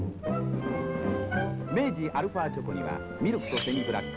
明治アルファチョコにはミルクとセミブラック。